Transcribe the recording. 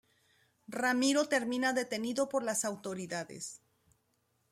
Ramiro termina detenido por las autoridades.